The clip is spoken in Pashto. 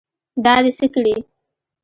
دا دې څه کړي.